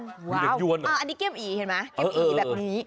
มีเหลืองยวนเหรออันนี้เก็มอีเห็นไหมเก็มอีแบบนี้